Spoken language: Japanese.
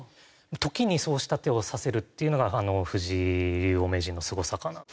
時にそうした手を指せるっていうのが藤井竜王・名人のすごさかなと。